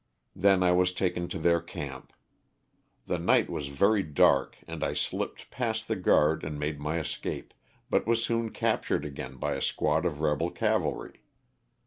Then I was taken to their camp. The night was very dark and I slipped past the guard and made my escape, but was soon captured again by a squad of rebel cavalry.